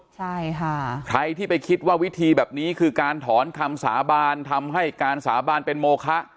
ใช่ค่ะใครที่ไปคิดว่าวิธีแบบนี้คือการถอนคำสาบานทำให้การสาบานเป็นโมคะ